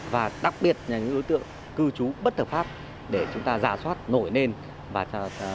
và đặc biệt là những đối tượng cư trú bất thực pháp để chúng ta ra soát nổi lên và từ đó ra soát và sàng lọc ra được